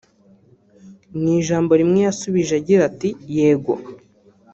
mu ijambo rimwe yasubije agira ati ‘Yego’